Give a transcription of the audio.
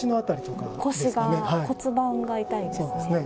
腰が、骨盤が痛いですね。